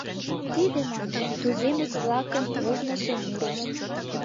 — Тиде, — мане, — туземец-влакын ожнысо мурышт.